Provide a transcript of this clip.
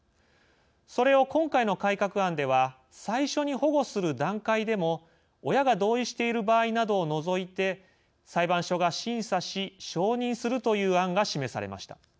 それを今回の改革案では最初に保護する段階でも親が同意している場合などを除いて裁判所が審査し承認するという案が示されました。